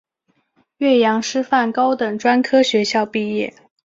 岳阳师范高等专科学校毕业。